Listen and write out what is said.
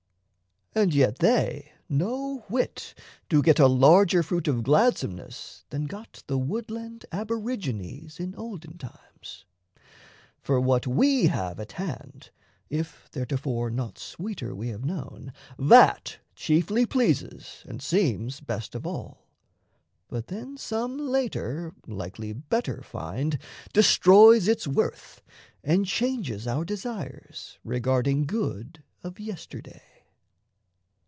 And yet they no whit Do get a larger fruit of gladsomeness Than got the woodland aborigines In olden times. For what we have at hand If theretofore naught sweeter we have known That chiefly pleases and seems best of all; But then some later, likely better, find Destroys its worth and changes our desires Regarding good of yesterday.